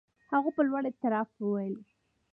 هغوی په لوړ اعتراف وویل.